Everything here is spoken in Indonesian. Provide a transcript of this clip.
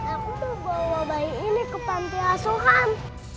aku bawa bayi ini ke pantai asuhan